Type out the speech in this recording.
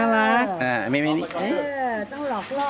ลูกมองกล้องเลย